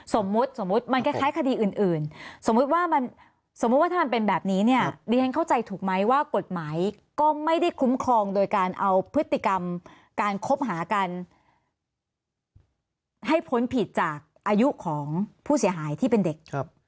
สมมุติสมมุติมันคล้ายคดีอื่นสมมุติว่ามันสมมุติว่าถ้ามันเป็นแบบนี้เนี่ยดิฉันเข้าใจถูกไหมว่ากฎหมายก็ไม่ได้คุ้มครองโดยการเอาพฤติกรรมการคบหากันให้พ้นผิดจากอายุของผู้เสียหายที่เป็นเด็ก